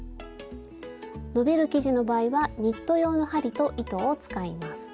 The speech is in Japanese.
伸びる生地の場合はニット用の針と糸を使います。